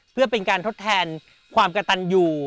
เพื่อเป็นการทดแทนความกระตันอยู่